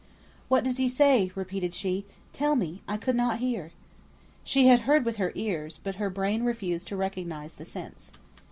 "What does he say?" repeated she. "Tell me. I could not hear." She had heard with her ears, but her brain refused to recognise the sense.